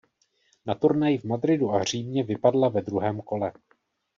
Na turnaji v Madridu a Římě vypadla ve druhém kole.